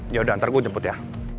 yaudah ntar gue jemput ya